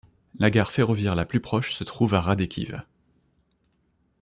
La gare ferroviaire la plus proche se trouve à Radekhiv.